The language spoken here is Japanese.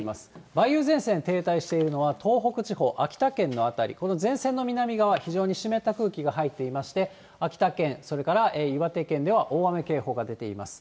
梅雨前線停滞しているのは、東北地方、秋田県の辺り、この前線の南側、非常に湿った空気が入っていまして、秋田県、それから岩手県では大雨警報が出ています。